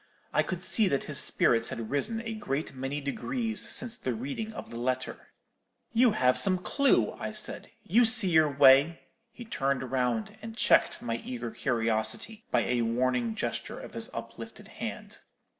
I could see that his spirits had risen a great many degrees since the reading of the letter. "'You have got some clue,' I said; 'you see your way——' "He turned round and checked my eager curiosity by a warning gesture of his uplifted hand.